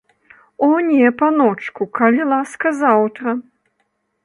О не, паночку, калі ласка, заўтра!